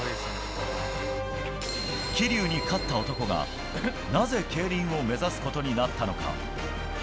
桐生に勝った男が、なぜ競輪を目指すことになったのか。